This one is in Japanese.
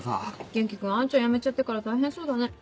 元気君アンちゃん辞めちゃってから大変そうだね。